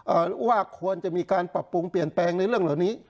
ว่าควรจะมีการปรับปรุงเปลี่ยนแปลงในเรื่องเหล่านี้